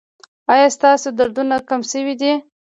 ایا ستاسو دردونه کم شوي دي؟